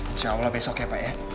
insya allah besok ya pak ya